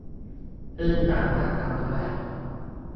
ซึ่งสามารถทำได้